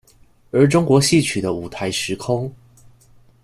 而中國戲曲的舞臺時空